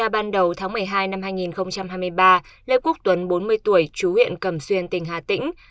ban đầu tháng một mươi hai năm hai nghìn hai mươi ba lê quốc tuấn bốn mươi tuổi chú huyện cẩm xuyên tỉnh hà tĩnh